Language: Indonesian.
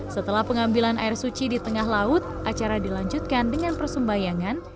setelah pengambilan air suci di tengah laut acara dilanjutkan dengan persembayangan